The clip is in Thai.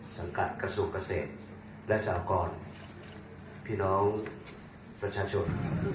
สังกัดกระทรวงเกษตรและสหกรพี่น้องประชาชน